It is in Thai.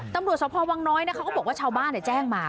ตำรวจสภาว้างน้อยบอกว่าชาวบ้านเนี่ยแจ้งมา